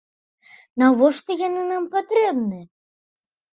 Навошта яны нам патрэбныя?